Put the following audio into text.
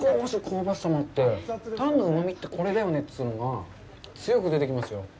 少し香ばしさもあってタンのうまみってこれだよねっていうのが強く出てきますよ。